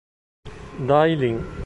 Dai Lin